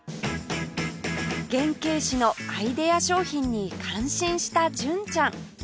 原型師のアイデア商品に感心した純ちゃん